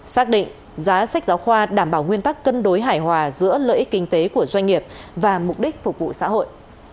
xác định giá sách giáo khoa đảm bảo nguyên tắc cân đối hài hòa giữa lợi ích kinh tế của doanh nghiệp và mục đích phục vụ xã hội